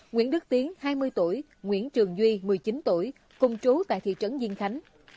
nguyễn đức tiến hai mươi tuổi nguyễn trường duy một mươi chín tuổi cùng trú tại thị trấn diên khánh